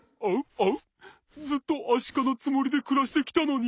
ずっとアシカのつもりでくらしてきたのに。